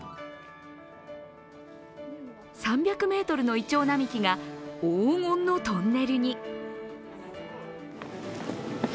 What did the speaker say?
３００ｍのいちょう並木が黄金のトンネルに。